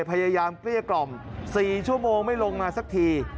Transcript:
เกลี้ยกล่อม๔ชั่วโมงไม่ลงมาสักที